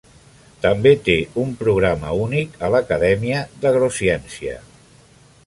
També té un programa únic a l'Acadèmia d'Agrociència.